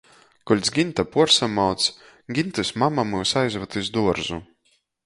Kuoļ Ginta puorsamauc, Gintys mama myus aizvad iz duorzu.